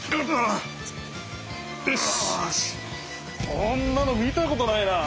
こんなの見たことないなあ。